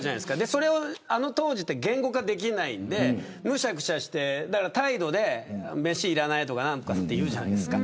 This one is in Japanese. それをあの当時は言語化できないのでむしゃくしゃして態度で飯いらないとか言うじゃないですか。